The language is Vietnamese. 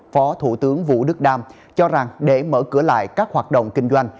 phó thủ tướng vũ đức đam cho rằng để mở cửa lại các hoạt động kinh doanh